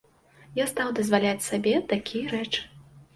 Я стаў дазваляць сабе такія рэчы.